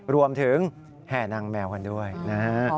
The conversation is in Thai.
รวมถึงแห่นางแมวกันด้วยนะครับ